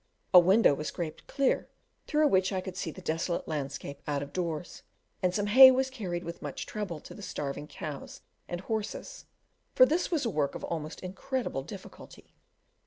A window was scraped clear, through which I could see the desolate landscape out of doors, and some hay was carried with much trouble to the starving cows and horses, but this was a work of almost incredible difficulty.